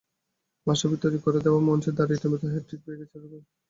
মাশরাফির তৈরি করে দেওয়া মঞ্চে দাঁড়িয়ে রীতিমতো হ্যাটট্রিকও পেয়ে গেছেন রুবেল।